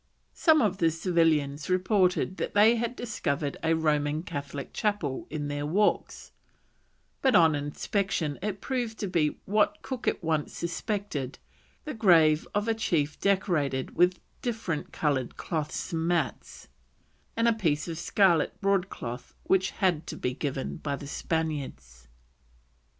Some of the civilians reported that they had discovered a Roman Catholic chapel in their walks; but on inspection it proved to be what Cook at once suspected, the grave of a chief decorated with different coloured cloths and mats, and a piece of scarlet broadcloth which had been given by the Spaniards.